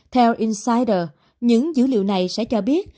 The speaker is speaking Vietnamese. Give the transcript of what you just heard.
theo insider những dữ liệu này sẽ cho biết